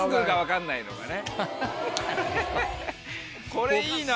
これいいな。